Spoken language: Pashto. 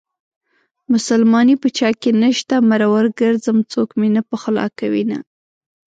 مسلماني په چاكې نشته مرور ګرځم څوك مې نه پخولاكوينه